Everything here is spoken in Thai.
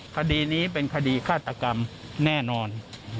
คดีนี้เป็นคดีฆาตกรรมแน่นอน